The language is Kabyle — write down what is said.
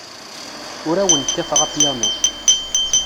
Ur awen-kkateɣ apyanu.